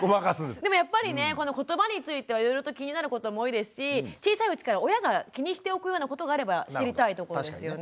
でもやっぱりねこのことばについてはいろいろと気になることも多いですし小さいうちから親が気にしておくようなことがあれば知りたいところですよね。